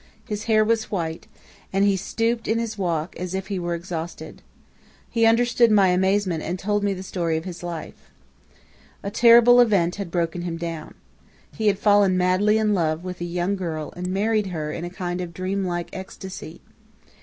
His hair was white, and he stooped in his walk, as if he were exhausted. He understood my amazement and told me the story of his life. "A terrible event had broken him down. He had fallen madly in love with a young girl and married her in a kind of dreamlike ecstasy.